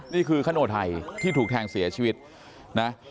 นี่คือคโนไทยที่ถูกแทงเสียชีวิตนะ